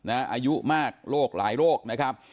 อายุมากโรคหลายโรคนะครับ